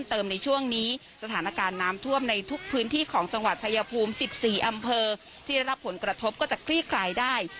เติมในช่วงนี้สถานการณ์น้ำท่วมในทุกพื้นที่ของจังหวัดชายภูมิ๑๔อำเภอที่ได้รับผลกระทบก็จะคลี่คลายได้